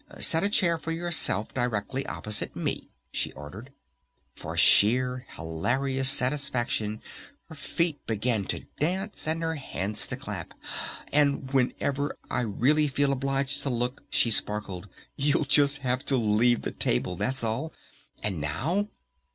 "Set a chair for yourself directly opposite me!" she ordered. For sheer hilarious satisfaction her feet began to dance and her hands to clap. "And whenever I really feel obliged to look," she sparkled, "you'll just have to leave the table, that's all!... And now...?"